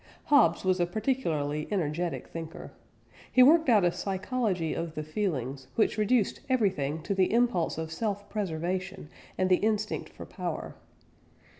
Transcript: Hobbes was a particularly energetic thinker. He worked out a psychology of the feelings, which reduced everything to the impulse of self preservation and the instinct for power.